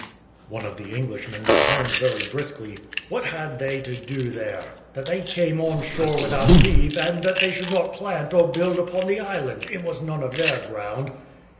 One of the Englishmen returned very briskly, "What had they to do there? that they came on shore without leave; and that they should not plant or build upon the island; it was none of their ground."